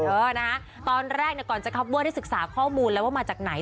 เออนะตอนแรกก่อนจะเข้าบ้วนได้ศึกษาข้อมูลแล้วว่ามาจากไหน